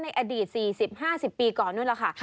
ในอดีต๔๐๕๐ปีก่อนนู่นล่ะค่ะ